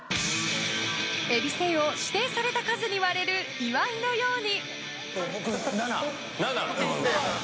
えびせんを指定された数に割れる岩井のように。